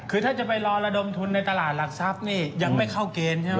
คือถ้าจะไปรอระดมทุนในตลาดหลักทรัพย์นี่ยังไม่เข้าเกณฑ์ใช่ไหม